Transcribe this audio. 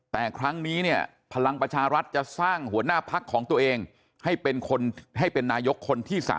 แต่ครั้งนี้พลังประชารัฐจะสร้างหัวหน้าภักร์ของตัวเองให้เป็นนายกคนที่๓๐